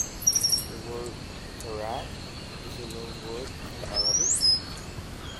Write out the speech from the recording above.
The word Taarab is a loanword from Arabic.